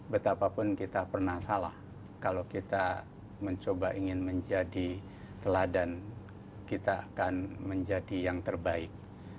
betapapun kita pernah salah kalau kita mencoba ingin menjadi teladan kita akan menjadi yang terbaik